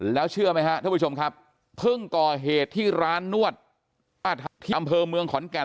แล้วเชื่อไหมฮะท่านผู้ชมครับเพิ่งก่อเหตุที่ร้านนวดที่อำเภอเมืองขอนแก่น